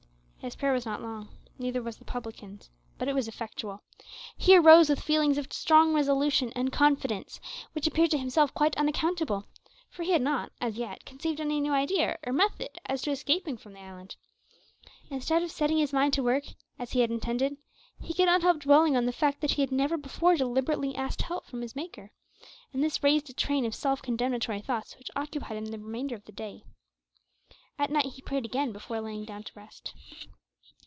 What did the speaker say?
His prayer was not long neither was the publican's but it was effectual. He arose with feelings of strong resolution and confidence, which appeared to himself quite unaccountable, for he had not, as yet, conceived any new idea or method as to escaping from the island. Instead of setting his mind to work, as he had intended, he could not help dwelling on the fact that he had never before deliberately asked help from his Maker, and this raised a train of self condemnatory thoughts which occupied him the remainder of that day. At night he prayed again before laying down to rest.